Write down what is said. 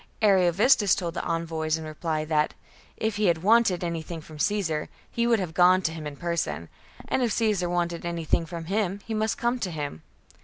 Ariovistus told the envoys in reply that, if he had wanted any thing from Caesar, he would have gone to him in person, and if Caesar wanted anything from him, he must come to him.